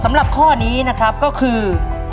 สำหรับข้อนี้นะครับก็คือ